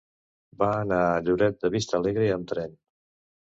Va anar a Lloret de Vistalegre amb tren.